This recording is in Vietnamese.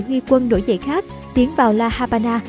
huy quân nổi dậy khác tiến vào la habana